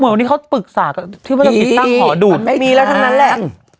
วันนี้เขาปรึกศาสตร์พี่มันมีแล้วทั้งนั้นแหละ